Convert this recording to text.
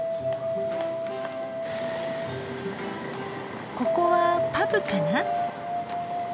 ここはパブかな？